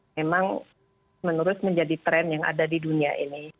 memang menurut menjadi tren yang ada di dunia ini